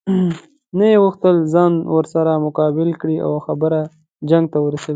نه یې غوښتل ځان ورسره مقابل کړي او خبره جنګ ته ورسوي.